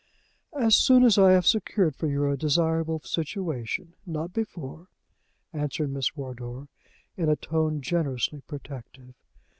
"As soon as I have secured for you a desirable situation not before," answered Mrs. Wardour, in a tone generously protective.